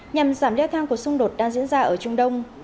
nhằm giảm đeo thang cuộc xung đột đang diễn ra ở trung đông